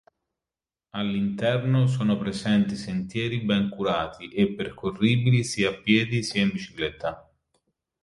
All'interno sono presenti sentieri ben curati e percorribili sia a piedi sia in bicicletta.